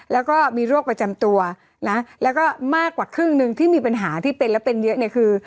แล้วก็มีโรคประจำตัวนะแล้วก็มากกว่าครึ่งหนึ่งที่มีปัญหาที่เป็นแล้วเป็นเยอะเนี่ยคือ